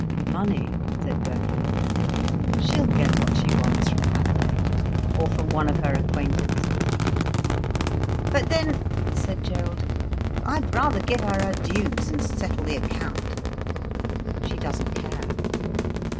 "Money?" said Birkin. "She'll get what she wants from Halliday or from one of her acquaintances." "But then," said Gerald, "I'd rather give her her dues and settle the account." "She doesn't care."